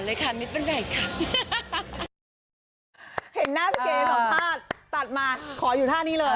เห็นหน้าพี่เกรจทั้งสองภาพตัดมาคอยอยู่ท่านี้เลย